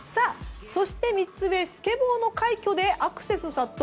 そして３つ目スケボーの快挙でアクセス殺到。